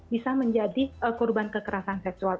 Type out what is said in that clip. bisa menjadi korban kekerasan seksual